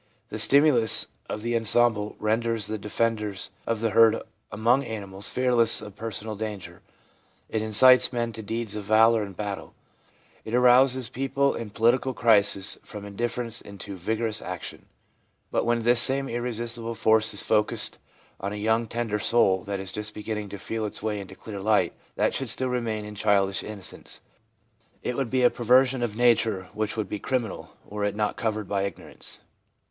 The stimulus of the ensemble renders the defenders of the herd among animals fearless of per sonal danger ; it incites men to deeds of valour in battle ; it arouses people in political crises from indiffer ence into vigorous action ; but when this same irresist ible force is focused on a young, tender soul that is just beginning to feel its way into clear light, that should still remain in childish innocence, it is a per version of nature which would be criminal were it not covered by ignorance.